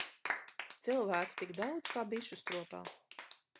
Cilvēku tik daudz kā bišu stropā.